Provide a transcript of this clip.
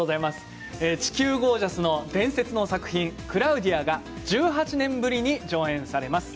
地球ゴージャスの伝説の作品「クラウディア」が１８年ぶりに上演されます。